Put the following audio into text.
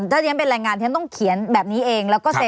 จะได้ยอมเป็นแรงงานที่ต้องเขียนแบบนี้เอง